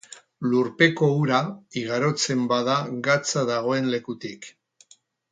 Lurpeko ura igarotzen bada gatza dagoen lekutik